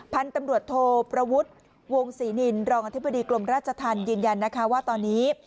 พันธุ์ตำรวจโทประวุฒิวงศรีนินรองอธิบดีกรมราชธรรมยืนยันนะคะว่าตอนนี้